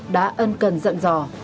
đã ân cần dặn dò